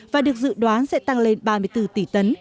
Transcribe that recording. và được dự đoán sẽ tăng lên ba mươi bốn tỷ tấn